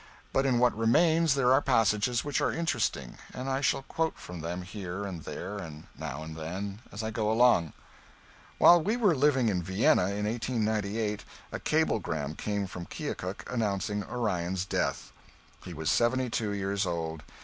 But in what remains there are passages which are interesting, and I shall quote from them here and there and now and then, as I go along. [Sidenote: (1898.)] While we were living in Vienna in 1898 a cablegram came from Keokuk announcing Orion's death. He was seventy two years old.